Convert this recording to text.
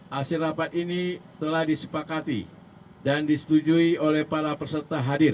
hasil rapat ini telah disepakati dan disetujui oleh para peserta hadir